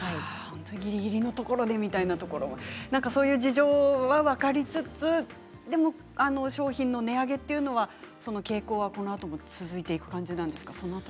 ぎりぎりのところでというのも、そういう事情は分かりつつでも商品の値上げというのは傾向はこのあとも続いていく感じなんですか？